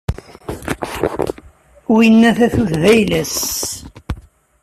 Winna tatut d ayla-s.